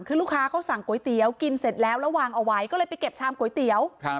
คือลูกค้าเขาสั่งก๋วยเตี๋ยวกินเสร็จแล้วแล้ววางเอาไว้ก็เลยไปเก็บชามก๋วยเตี๋ยว